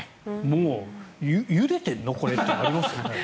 もうゆでてるのこれ？っていうのありますよね。